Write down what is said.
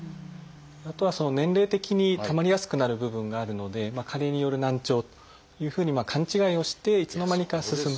あとはその年齢的にたまりやすくなる部分があるので加齢による難聴というふうに勘違いをしていつの間にか進む。